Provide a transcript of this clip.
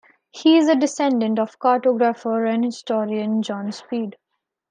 He is a descendant of cartographer and historian John Speed.